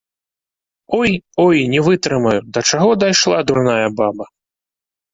Ой, ой, не вытрымаю, да чаго дайшла дурная баба!